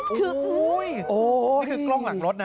คือนี่คือกล้องหลังรถนะ